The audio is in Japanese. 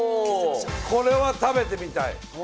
これは食べてみたい。